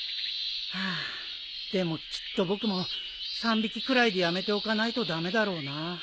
ハァでもきっと僕も３匹くらいでやめておかないと駄目だろうな。